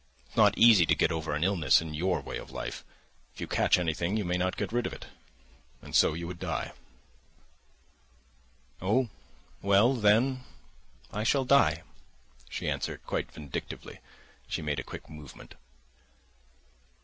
It's not easy to get over an illness in your way of life. If you catch anything you may not get rid of it. And so you would die." "Oh, well, then I shall die," she answered, quite vindictively, and she made a quick movement.